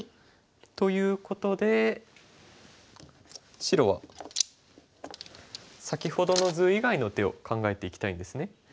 ということで白は先ほどの図以外の手を考えていきたいんですね。